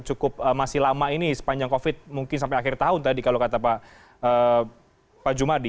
cukup masih lama ini sepanjang covid mungkin sampai akhir tahun tadi kalau kata pak jumadi